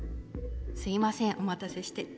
すいませんお待たせして。